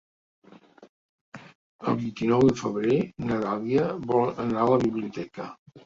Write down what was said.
El vint-i-nou de febrer na Dàlia vol anar a la biblioteca.